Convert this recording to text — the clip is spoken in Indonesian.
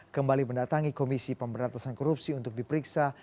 kembali mendatangi komisi pemberantasan korupsi untuk diperiksa